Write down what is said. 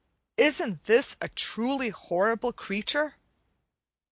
Isn't this a truly horrible creature?"